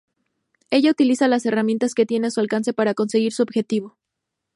Ella utiliza las herramientas que tiene a su alcance para conseguir su objetivo.